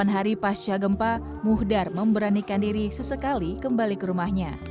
delapan hari pasca gempa muhdar memberanikan diri sesekali kembali ke rumahnya